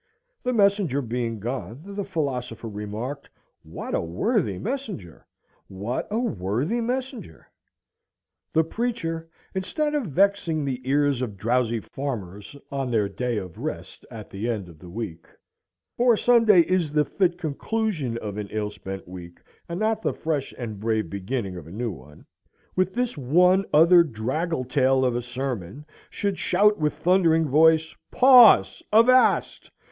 The messenger being gone, the philosopher remarked: What a worthy messenger! What a worthy messenger!" The preacher, instead of vexing the ears of drowsy farmers on their day of rest at the end of the week,—for Sunday is the fit conclusion of an ill spent week, and not the fresh and brave beginning of a new one,—with this one other draggle tail of a sermon, should shout with thundering voice, "Pause! Avast!